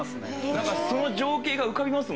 なんかその情景が浮かびますもんね